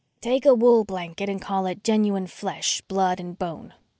Take a wool blanket and call it genuine flesh, blood and bone.